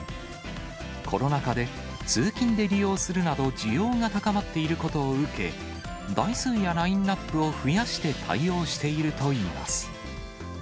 コロナ禍で通勤で利用するなど、需要が高まっていることを受け、台数やラインナップを増やして対応しているといいます。